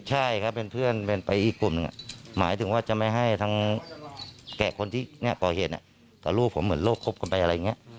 ใช่ครับเป็นเพื่อนเป็นไปอีกกลุ่มหนึ่งหมายถึงว่าจะไม่ให้ทั้งแก่คนที่ก่อเหตุต่อลูกผมเหมือนโลกคบกันไปอะไรอย่างนี้